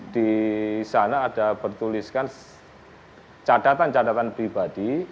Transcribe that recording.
di sana ada bertuliskan cadatan cadatan pribadi